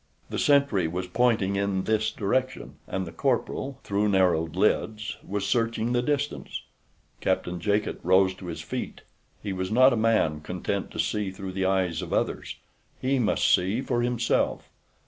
The sentry was pointing in this direction, and the corporal, through narrowed lids, was searching the distance. Captain Jacot rose to his feet. He was not a man content to see through the eyes of others. He must see for himself.